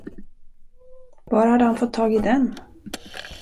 Var hade han fått tag i den?